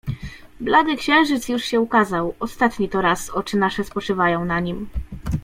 "Blady księżyc już się ukazał; ostatni to raz oczy nasze spoczywają na nim."